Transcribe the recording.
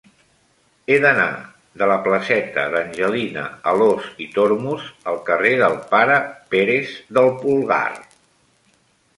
He d'anar de la placeta d'Angelina Alòs i Tormos al carrer del Pare Pérez del Pulgar.